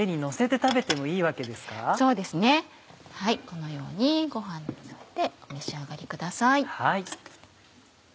このようにご飯をよそってお召し上がりください。